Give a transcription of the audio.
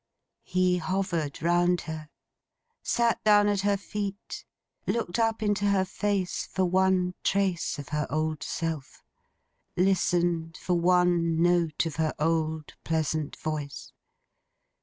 He hovered round her; sat down at her feet; looked up into her face for one trace of her old self; listened for one note of her old pleasant voice.